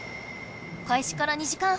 開始から２時間半！